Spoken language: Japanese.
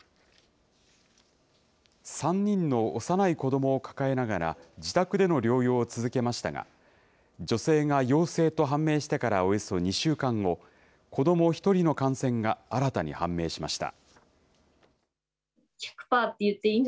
３人の幼い子どもを抱えながら、自宅での療養を続けましたが、女性が陽性と判明してからおよそ２週間後、子ども１人の感染が新たに判明しました。